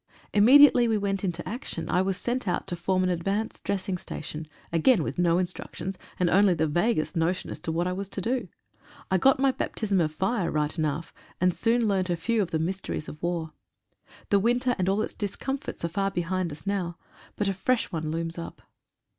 Imme diately we went into action I was sent out to form an advanced dressing station, again with no instructions, and only the vaguest notion as to what I was to do. I got my baptism of fire right enough, and soon learnt a few of the mysteries of war. The winter and all its discomforts are far behind us now, but a fresh one looms up.